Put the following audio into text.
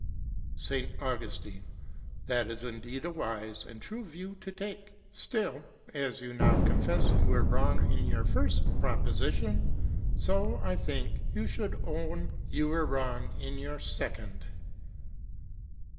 S. Augustine. That is indeed a wise and true view to take. Still as you now confess you were wrong in your first proposition, so I think you should own you are wrong in your second.